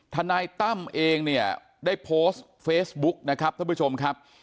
ทนายตั้มเองเนี่ยได้โพสต์เฟซบุ๊กนะครับท่านผู้ชมครับ